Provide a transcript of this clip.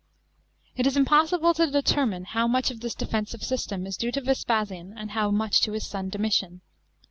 It is impossible to determine how much of this defensive system is flue to Vespasian and how much to his son Domitian.